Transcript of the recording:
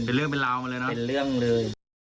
เป็นเรื่องเลย